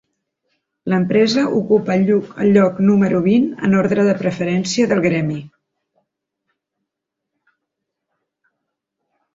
L'empresa ocupa el lloc número vint en ordre de preferència del gremi.